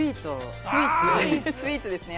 スイーツですね。